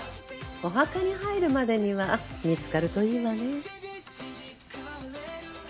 お墓に入るまでには見つかるといいわね。